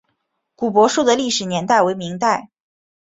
古柏树的历史年代为明代。